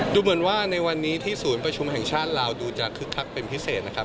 ดูเหมือนว่าในวันนี้ที่ศูนย์ประชุมแห่งชาติลาวดูจะคึกคักเป็นพิเศษนะครับ